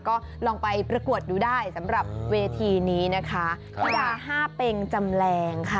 ก็ลองไปประกวดดูได้สำหรับเวทีนี้นะคะกีฬาห้าเป็งจำแรงค่ะ